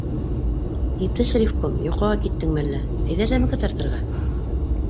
— Иптәш ревком, йоҡоға киттеңме әллә, әйҙә тәмәке тартырға.